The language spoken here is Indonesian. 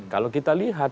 kalau kita lihat